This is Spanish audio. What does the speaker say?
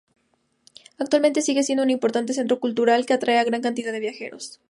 Actualmente sigue siendo un importante centro cultural que atrae a gran cantidad de viajeros.